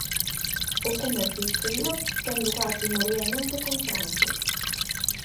O comercio exterior ten lugar primordialmente con Francia.